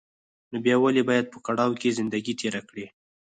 نو بيا ولې بايد په کړاوو کې زندګي تېره کړې.